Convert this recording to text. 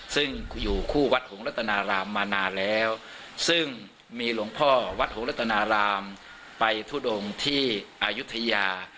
ซึ่งอยู่คู่วัดหงรัตนารามมานานแล้วซึ่งมีหลวงพ่อวัดหงรัตนารามไปทุดงที่อายุทยา